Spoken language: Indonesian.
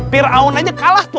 pir'aunanya kalah tuh